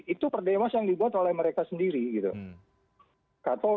itu perdewas yang dibuat oleh mereka sendiri gitu